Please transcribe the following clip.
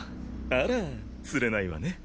あらつれないわね。